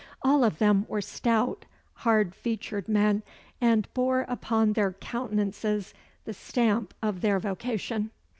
All of them were stout, hard featured men, and bore upon their countenances the stamp of their vocation.